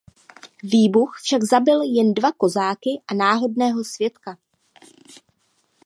Výbuch však zabil jen dva kozáky a náhodného svědka.